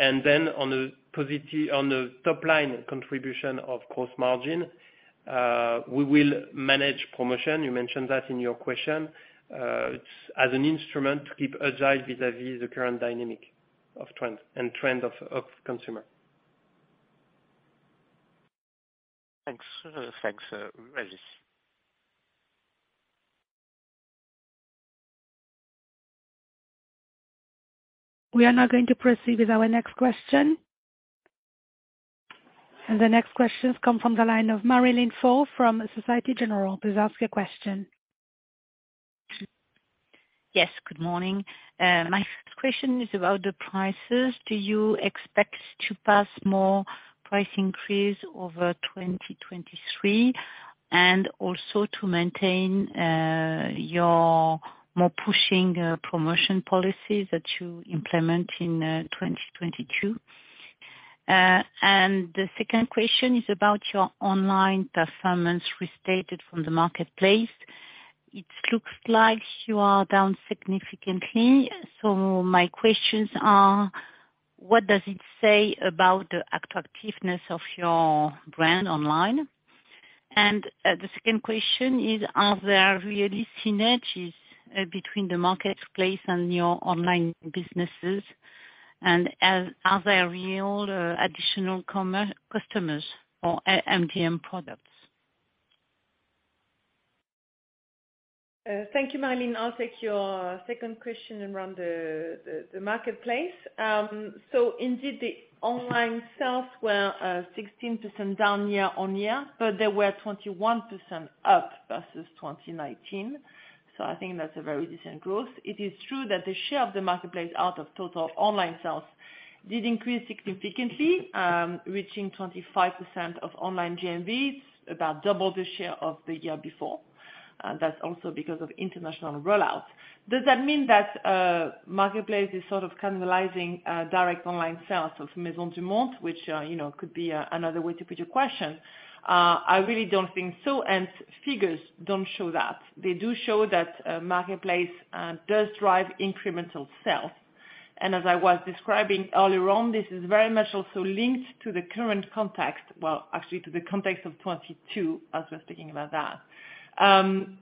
E: On the top line contribution of gross margin, we will manage promotion. You mentioned that in your question. It's as an instrument to keep agile vis-a-vis the current dynamic of trend and trend of consumer.
F: Thanks. Thanks, Régis.
A: We are now going to proceed with our next question. The next question come from the line of Marie-Line Fort from Société Générale. Please ask your question.
G: Yes, good morning. My first question is about the prices. Do you expect to pass more price increase over 2023 and also to maintain your more pushing promotion policy that you implement in 2022? The second question is about your online performance restated from the marketplace. It looks like you are down significantly. My questions are, what does it say about the attractiveness of your brand online? And the second question is, are there really synergies between the marketplace and your online businesses? Are there real additional customers for MDM products?
C: Thank you, Marie. I'll take your second question around the marketplace. Indeed the online sales were 16% down year-on-year, but they were 21% up versus 2019. I think that's a very decent growth. It is true that the share of the marketplace out of total online sales did increase significantly, reaching 25% of online GMVs, about double the share of the year before. That's also because of international rollouts. Does that mean that marketplace is sort of cannibalizing direct online sales of Maisons du Monde, which, you know, could be another way to put your question? I really don't think so, figures don't show that. They do show that marketplace does drive incremental sales. As I was describing earlier on, this is very much also linked to the current context. Well, actually to the context of 22, as we're speaking about that.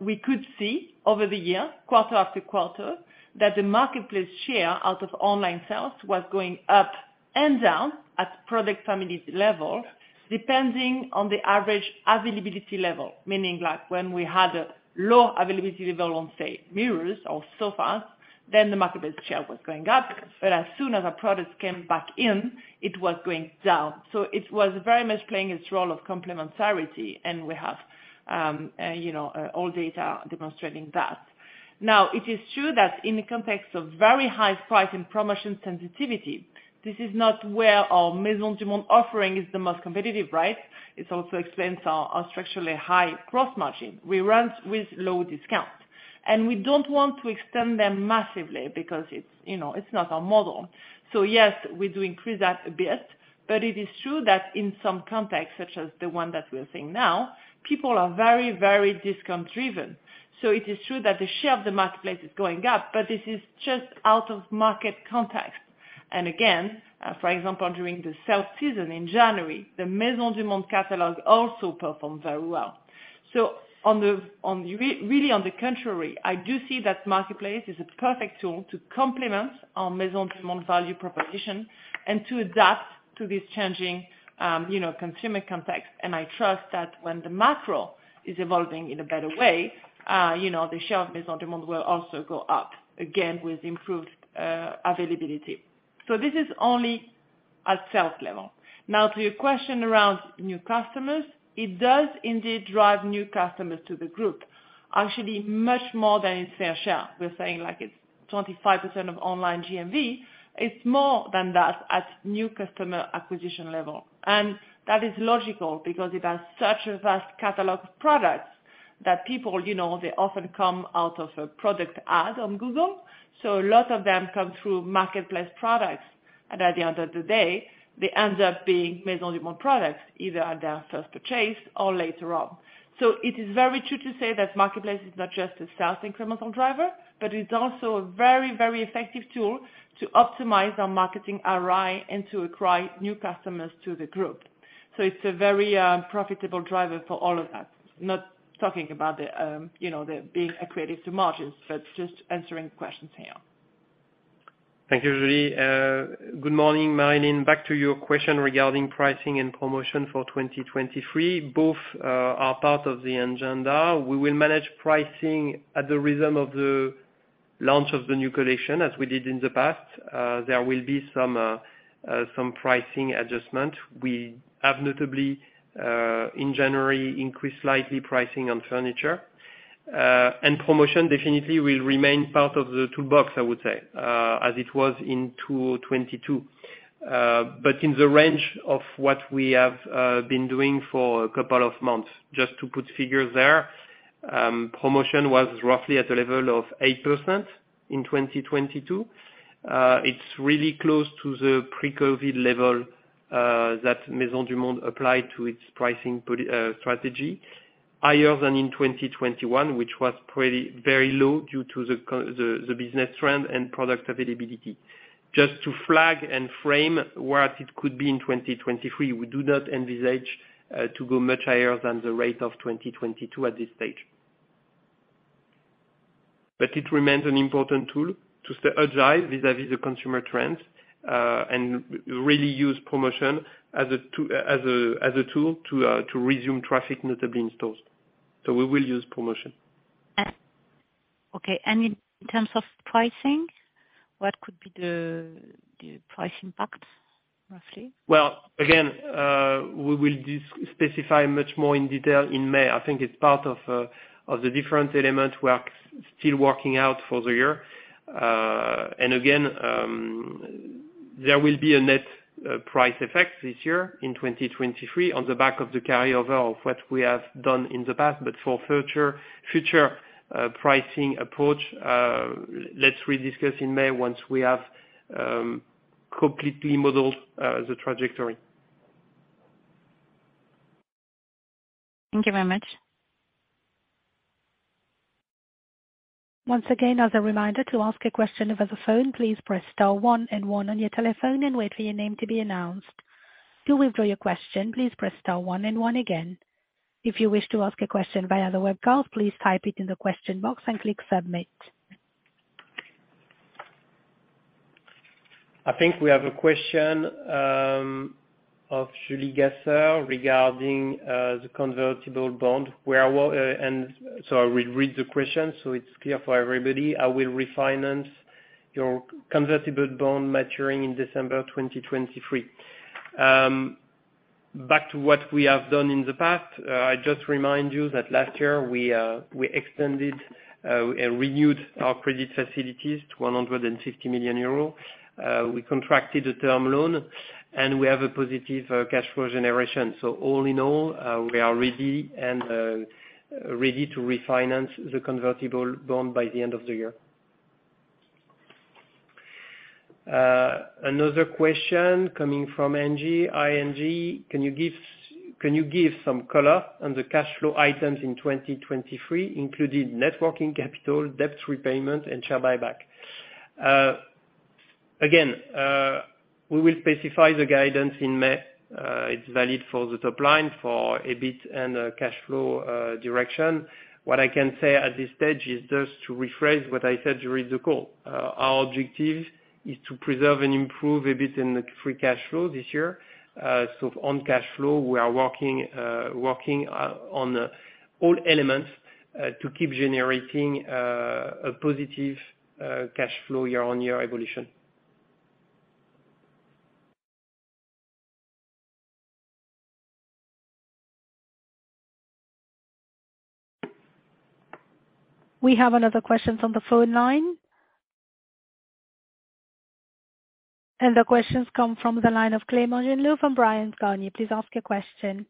C: We could see over the year, quarter after quarter, that the marketplace share out of online sales was going up and down at product families level, depending on the average availability level. Meaning like, when we had a low availability level on, say, mirrors or sofas, then the marketplace share was going up. As soon as our products came back in, it was going down. It was very much playing its role of complementarity, and we have, you know, all data demonstrating that. Now, it is true that in the context of very high price and promotion sensitivity, this is not where our Maisons du Monde offering is the most competitive, right? It also explains our structurally high cross margin. We run with low discount. We don't want to extend them massively because it's, you know, it's not our model. Yes, we do increase that a bit, but it is true that in some contexts, such as the one that we're seeing now, people are very, very discount-driven. It is true that the share of the marketplace is going up, but this is just out of market context. Again, for example, during the sales season in January, the Maisons du Monde catalog also performed very well. On the, on the, really on the contrary, I do see that marketplace is a perfect tool to complement our Maisons du Monde value proposition and to adapt to this changing, you know, consumer context. I trust that when the macro is evolving in a better way, you know, the share of Maisons du Monde will also go up, again, with improved availability. This is only at sales level. Now, to your question around new customers, it does indeed drive new customers to the group. Actually, much more than its fair share. We're saying, like it's 25% of online GMV. It's more than that at new customer acquisition level. That is logical because it has such a vast catalog of products that people, you know, they often come out of a product ad on Google. A lot of them come through marketplace products. At the end of the day, they end up being Maisons du Monde products, either at their first purchase or later on. It is very true to say that marketplace is not just a sales incremental driver, but it's also a very, very effective tool to optimize our marketing ROI and to acquire new customers to the group. It's a very profitable driver for all of that. Not talking about the, you know, the being accretive to margins, but just answering the questions, Angie.
E: Thank you, Julie. Good morning, Marie. Back to your question regarding pricing and promotion for 2023. Both are part of the agenda. We will manage pricing at the rhythm of the launch of the new collection, as we did in the past. There will be some pricing adjustment. We have notably in January, increased slightly pricing on furniture. Promotion definitely will remain part of the toolbox, I would say, as it was in 2022. In the range of what we have been doing for a couple of months. Just to put figures there, promotion was roughly at a level of 8% in 2022. It's really close to the pre-COVID level that Maisons du Monde applied to its pricing strategy. Higher than in 2021, which was very low due to the business trend and product availability. Just to flag and frame what it could be in 2023, we do not envisage to go much higher than the rate of 2022 at this stage. It remains an important tool to stay agile vis-à-vis the consumer trends and really use promotion as a tool to resume traffic, notably in stores. We will use promotion.
G: Okay. In terms of pricing, what could be the price impact, roughly?
E: Well, again, we will specify much more in detail in May. I think it's part of the different elements we are still working out for the year. Again, there will be a net price effect this year in 2023 on the back of the carryover of what we have done in the past. For future pricing approach, let's rediscuss in May once we have completely modeled the trajectory.
G: Thank you very much.
A: Once again as a reminder to ask a question over the phone, please press star one and one on your telephone and wait for your name to be announced. To withdraw your question, please press star one and one again. If you wish to ask a question via the web call, please type it in the question box and click submit.
D: I think we have a question of Julie Gasser regarding the convertible bond. I will read the question so it's clear for everybody. I will refinance your convertible bond maturing in December 2023. Back to what we have done in the past, I just remind you that last year we extended and renewed our credit facilities to 150 million euros. We contracted a term loan and we have a positive cash flow generation. All in all, we are ready and ready to refinance the convertible bond by the end of the year. Another question coming from Angie, ING. Can you give some color on the cash flow items in 2023, including net working capital, debt repayment and share buyback? Again, we will specify the guidance in May. It's valid for the top line for EBIT and cash flow direction. What I can say at this stage is just to rephrase what I said during the call. Our objective is to preserve and improve EBIT and the free cash flow this year. On cash flow, we are working on all elements to keep generating a positive cash flow year-on-year evolution.
A: We have another questions on the phone line. The questions come from the line of Clément Genelot from Bryan, Garnier & Co. Please ask your question.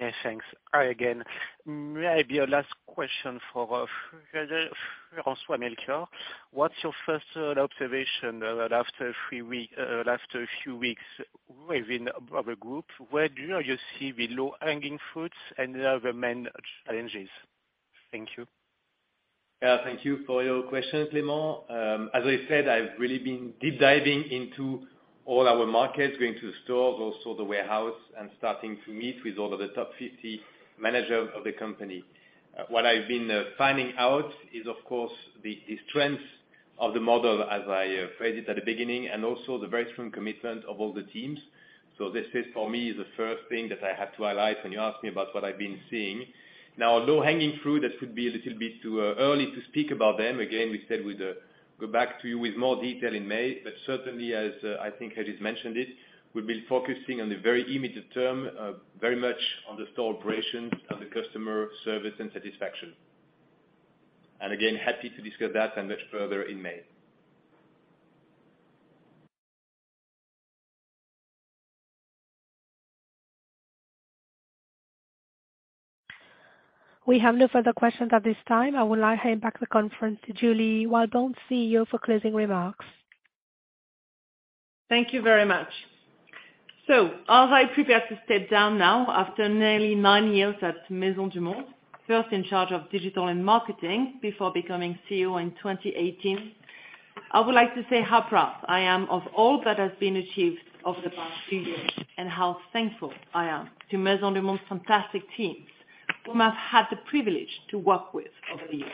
F: Yes, thanks. Hi again. Maybe a last question for François-Melchior. What's your first observation after a few weeks within the group? Where do you see the low-hanging fruits and the other main challenges? Thank you.
D: Thank you for your question, Clément. As I said, I've really been deep diving into all our markets, going to stores, also the warehouse, and starting to meet with all of the top 50 managers of the company. What I've been finding out is of course, the strength of the model as I phrased it at the beginning, and also the very strong commitment of all the teams. This is for me, is the first thing that I have to highlight when you ask me about what I've been seeing. Now, low hanging fruit, that could be a little bit too early to speak about them. Again, we said we'd go back to you with more detail in May. Certainly as, I think as you mentioned it, we've been focusing on the very immediate term, very much on the store operations and the customer service and satisfaction. Again, happy to discuss that and much further in May.
A: We have no further questions at this time. I would like to hand back the conference to Julie Walbaum CEO for closing remarks.
C: Thank you very much. As I prepare to step down now after nearly nine years at Maisons du Monde, first in charge of digital and marketing before becoming CEO in 2018, I would like to say how proud I am of all that has been achieved over the past few years, and how thankful I am to Maisons du Monde's fantastic teams whom I've had the privilege to work with over the years.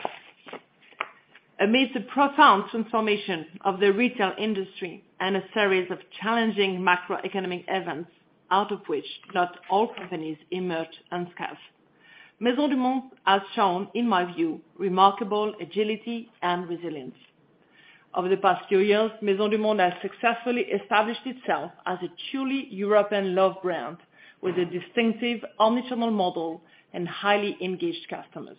C: Amidst the profound transformation of the retail industry and a series of challenging macroeconomic events, out of which not all companies emerged unscathed. Maisons du Monde has shown, in my view, remarkable agility and resilience. Over the past few years, Maisons du Monde has successfully established itself as a truly European loved brand with a distinctive omnichannel model and highly engaged customers.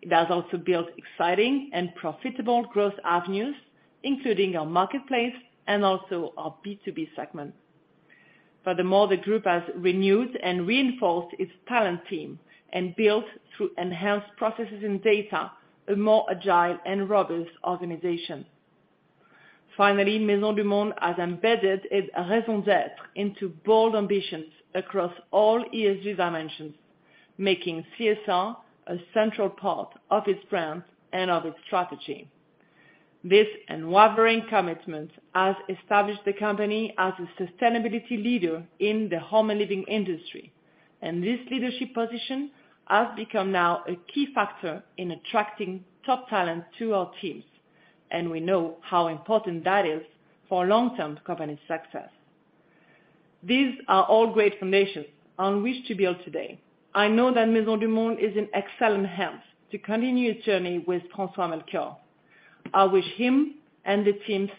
C: It has also built exciting and profitable growth avenues, including our marketplace and also our B2B segment. The group has renewed and reinforced its talent team and built through enhanced processes and data, a more agile and robust organization. Maisons du Monde has embedded its raison d'être into bold ambitions across all ESG dimensions, making CSR a central part of its brand and of its strategy. This unwavering commitment has established the company as a sustainability leader in the home and living industry, and this leadership position has become now a key factor in attracting top talent to our teams, and we know how important that is for long-term company success. These are all great foundations on which to build today. I know that Maisons du Monde is in excellent hands to continue its journey with François-Melchior. I wish him and the teams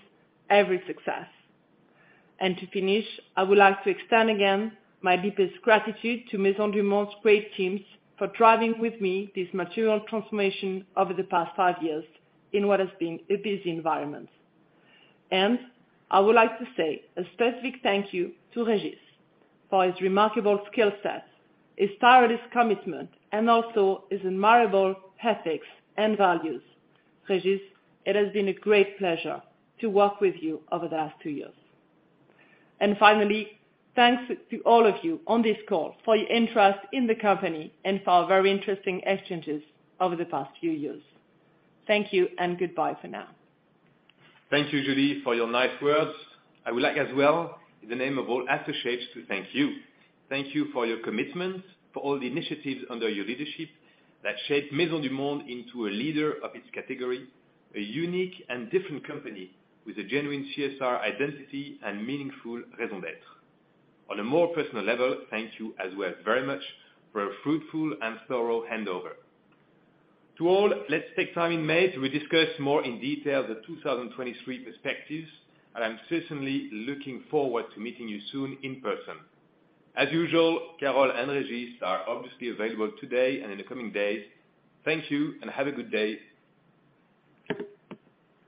C: every success. To finish, I would like to extend again my deepest gratitude to Maisons du Monde's great teams for driving with me this material transformation over the past five years in what has been a busy environment. I would like to say a specific thank you to Régis for his remarkable skill set, his tireless commitment, and also his admirable ethics and values. Régis, it has been a great pleasure to work with you over the last two years. Finally, thanks to all of you on this call for your interest in the company and for our very interesting exchanges over the past few years. Thank you and goodbye for now.
D: Thank you, Julie, for your nice words. I would like as well, in the name of all associates to thank you. Thank you for your commitment, for all the initiatives under your leadership that shaped Maisons du Monde into a leader of its category, a unique and different company with a genuine CSR identity and meaningful raison d'être. On a more personal level, thank you as well very much for a fruitful and thorough handover. To all, let's take time in May to discuss more in detail the 2023 perspectives. I'm certainly looking forward to meeting you soon in person. As usual, Carole and Régis are obviously available today and in the coming days. Thank you and have a good day.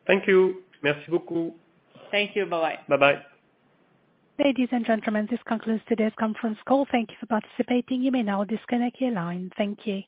E: Thank you. Merci beaucoup.
C: Thank you. Bye.
E: Bye-bye.
A: Ladies and gentlemen, this concludes today's conference call. Thank you for participating. You may now disconnect your line. Thank you.